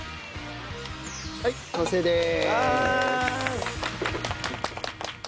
はい完成です。